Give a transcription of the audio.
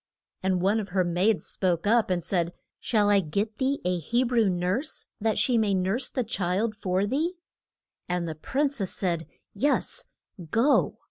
And one of her maids spoke up, and said, Shall I get thee a He brew nurse, that she may nurse the child for thee? And the prin cess said, Yes; go.